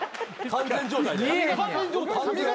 完全状態。